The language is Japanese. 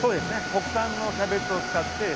国産のキャベツを使って。